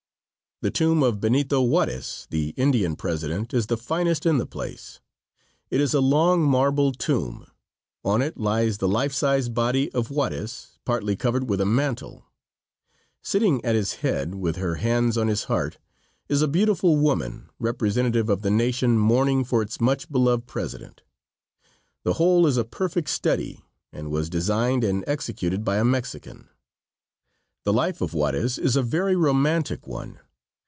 The tomb of Benito Juarez, the Indian President, is the finest in the place. It is a long marble tomb. On it lies the life size body of Juarez, partly covered with a mantle. Sitting at his head, with her hands on his heart, is a beautiful woman, representative of the nation mourning for its much beloved President. The whole is a perfect study, and was designed and executed by a Mexican. The life of Juarez is a very romantic one.